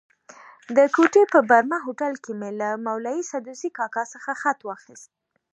د کوټې په برمه هوټل کې مې له مولوي سدوزي کاکا څخه خط واخیست.